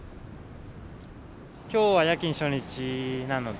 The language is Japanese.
今日は夜勤初日なので。